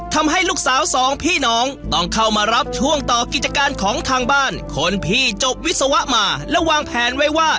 ทำให้ลูกสาวสองพี่น้องต้องเข้ามารับช่วงต่อกิจการของทางบ้านคนพี่จบวิศวะมาและวางแผนไว้ว่า